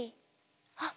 ．あっ